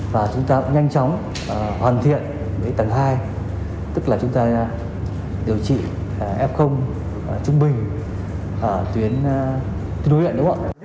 và chúng ta cũng nhanh chóng hoàn thiện tầng hai tức là chúng ta điều trị f trung bình tuyến đối đoạn đúng không ạ